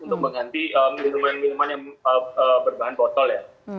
untuk mengganti minuman minuman yang berbahan botol ya